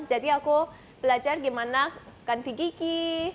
jadi aku belajar gimana ganti gigi